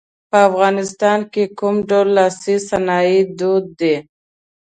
په افغانستان کې کوم ډول لاسي صنایع دود دي.